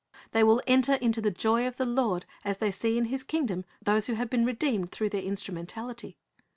They will enter into the joy of the Lord as they see in His kingdom those who have been redeemed through their instrumentality.